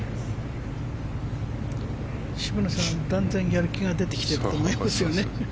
渋野さんは断然やる気が出てきていると思いますよね。